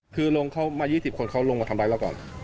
คือลงเขามา๒๐คนเขาลงมาทำร้ายเราก่อน